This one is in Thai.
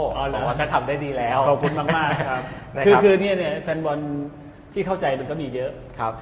ขอบคุณมากมากครับครับคือคือเนี่ยเนี่ยแฟนบอลที่เข้าใจมันก็มีเยอะครับ